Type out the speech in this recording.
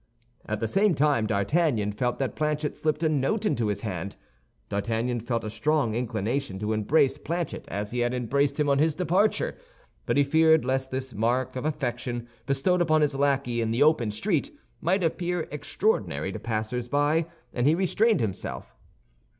At the same time D'Artagnan felt that Planchet slipped a note into his hand. D'Artagnan felt a strong inclination to embrace Planchet as he had embraced him on his departure; but he feared lest this mark of affection, bestowed upon his lackey in the open street, might appear extraordinary to passers by, and he restrained himself.